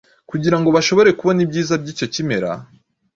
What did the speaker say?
kugira ngo bashobore kubona ibyiza by’icyo kimera